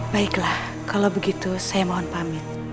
baiklah kalau begitu saya mohon pamit